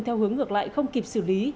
theo hướng ngược lại không kịp xử lý